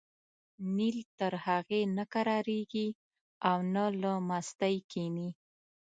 نیل تر هغې نه کرارېږي او نه له مستۍ کېني.